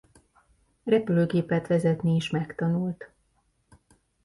Repülőgépet vezetni is megtanult.